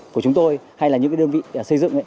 của chúng tôi hay là những đơn vị xây dựng